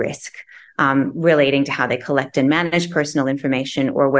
berkaitan dengan cara mereka mengumpulkan dan mengurangi informasi pribadi